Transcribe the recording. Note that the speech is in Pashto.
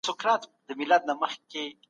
تولیدي فابریکي باید ډیري سي.